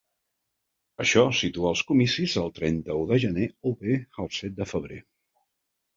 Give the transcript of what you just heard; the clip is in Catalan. Això situa els comicis el trenta-u de gener o bé el set de febrer.